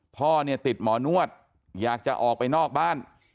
พ่อเนี่ยติดหมอนวดอยากจะออกไปนอกบ้าน